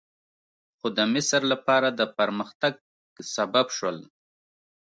خو د مصر لپاره د پرمختګ سبب شول.